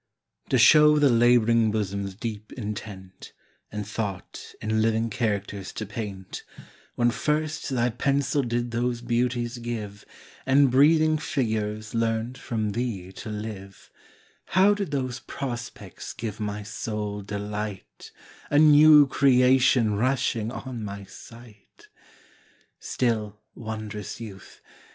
TO show the lab'ring bosom's deep intent, And thought in living characters to paint, When first thy pencil did those beauties give, And breathing figures learnt from thee to live, How did those prospects give my soul delight, A new creation rushing on my sight? Still, wond'rous youth!